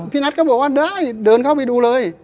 นัทก็บอกว่าได้เดินเข้าไปดูเลย